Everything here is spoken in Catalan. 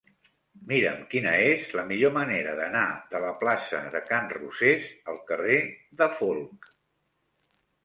Mira'm quina és la millor manera d'anar de la plaça de Can Rosés al carrer de Folc.